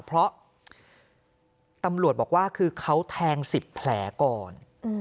เพราะตำรวจบอกว่าคือเขาแทง๑๐แผลก่อน